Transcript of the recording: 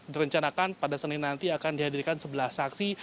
derencanakan pada senin nanti akan dihadirkan sebelah saksi